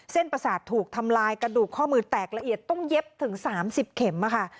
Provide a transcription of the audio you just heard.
ประสาทถูกทำลายกระดูกข้อมือแตกละเอียดต้องเย็บถึง๓๐เข็มค่ะ